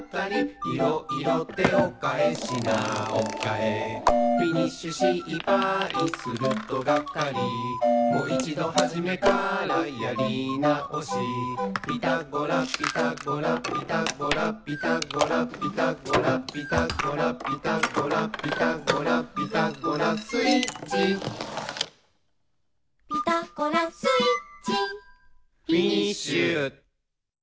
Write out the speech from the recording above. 「いろいろ手をかえ品をかえ」「フィニッシュ失敗するとがっかり」「もいちどはじめからやり直し」「ピタゴラピタゴラ」「ピタゴラピタゴラ」「ピタゴラピタゴラ」「ピタゴラピタゴラ」「ピタゴラスイッチ」「ピタゴラスイッチ」「フィニッシュ！」